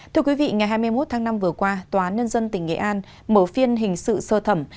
thưa quý vị ngày hai mươi một tháng năm vừa qua tòa án nhân dân tỉnh nghệ an mở phiên hình sự sơ thẩm